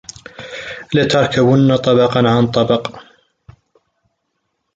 لَتَركَبُنَّ طَبَقًا عَن طَبَقٍ